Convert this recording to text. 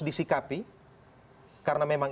disikapi karena memang